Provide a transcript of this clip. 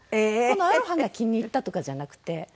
このアロハが気に入ったとかじゃなくて。